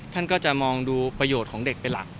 ท่านก็จะมองดูประโยชน์ของเด็กเป็นหลัก